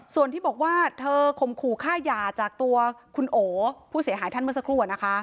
ส่วนที่บอกว่าเธอข่มขู่ฆ่าหย่าจากตัวคุณโอผู้เสียหายท่านเมื่อสักครู่